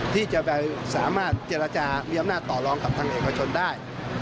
ที่จะไปสามารถเจรจามีอำนาจต่อรองกับทางเอกชนได้